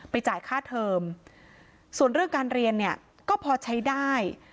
จ่ายค่าเทอมส่วนเรื่องการเรียนเนี่ยก็พอใช้ได้